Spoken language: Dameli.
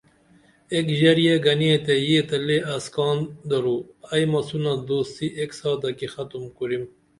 ایک ژریے گنے تے یہ تہ لے اسکان درو ائی مسونہ دوستی ایک ساتہ کی ختم کُریم